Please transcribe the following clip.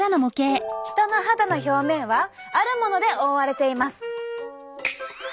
人の肌の表面はあるもので覆われています。